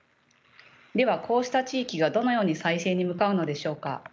ではこうした地域がどのように再生に向かうのでしょうか。